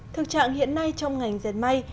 thực trạng hiện nay trong ngành diệt may